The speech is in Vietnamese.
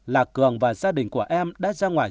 là cường và gia đình của em đã ra ngoài sinh sống